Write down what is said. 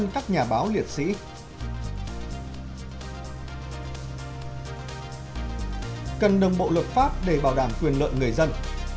cần đồng bộ luật pháp để bảo đảm quyền lợi người dân